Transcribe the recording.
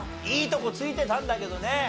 いいとこ突いてたんだけどね。